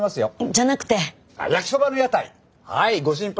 じゃなくて！